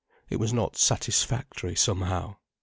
It was not satisfactory, somehow.